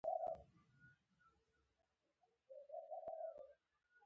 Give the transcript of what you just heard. داسې انګېري چې دوی له پامه غورځول کېږي